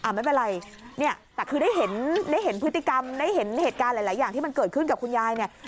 ไม่เป็นไรเนี่ยแต่คือได้เห็นได้เห็นพฤติกรรมได้เห็นเหตุการณ์หลายอย่างที่มันเกิดขึ้นกับคุณยายเนี่ย